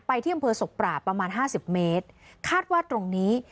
ที่อำเภอศพปราบประมาณห้าสิบเมตรคาดว่าตรงนี้